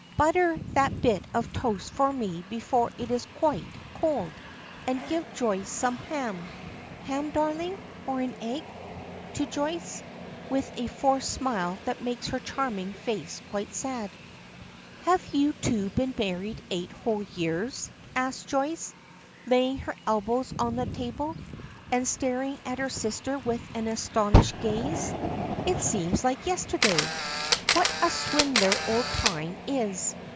"Butter that bit of toast for me before it is quite cold, and give Joyce some ham. Ham, darling? or an egg?" to Joyce, with a forced smile that makes her charming face quite sad. "Have you two been married eight whole years?" asks Joyce laying her elbows on the table, and staring at her sister with an astonished gaze. "It seems like yesterday! What a swindler old Time is.